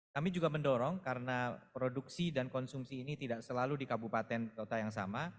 kami juga mendorong karena produksi dan konsumsi ini tidak selalu di kabupaten kota yang sama